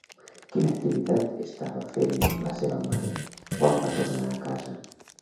Quina activitat estava fent la seva mare quan va tornar a casa?